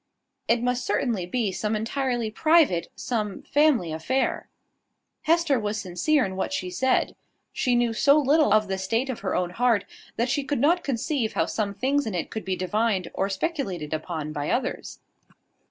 It must certainly be some entirely private, some family affair. Hester was sincere in what she said. She knew so little of the state of her own heart, that she could not conceive how some things in it could be divined or speculated upon by others.